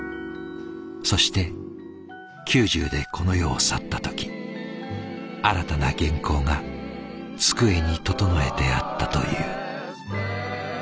そして９０でこの世を去った時新たな原稿が机に整えてあったという。